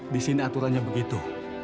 di sini aturannya begitu